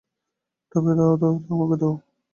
তবে দাও দাও, আমাকে দাও।